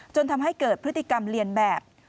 จนทำให้เกิดพฤติกรรมเรียนแบบ